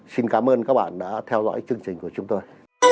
xin cảm ơn các bạn đã theo dõi chương trình của chúng tôi